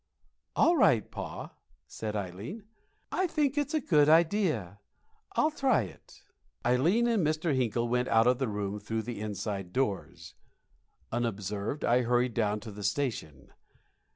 "All right, pa," said Ileen. "I think it's a good idea. I'll try it." Ileen and Mr. Hinkle went out of the room through the inside doors. Unobserved, I hurried down to the station.